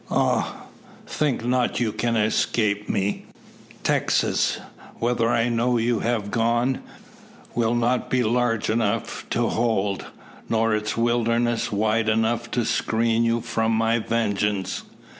Ah! think not you can escape me! Texas, whither I know you have gone, will not be large enough to hold, nor its wilderness wide enough to screen you from my vengeance.